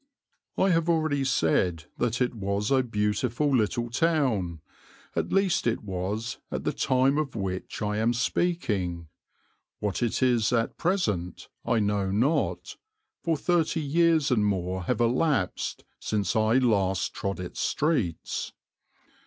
"I have already said that it was a beautiful little town at least it was at the time of which I am speaking what it is at present I know not, for thirty years and more have elapsed since I last trod its streets."